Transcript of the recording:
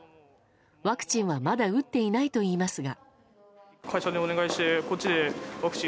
ワクチンは、まだ打っていないといいますが。